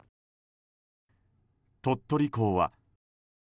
鳥取港は。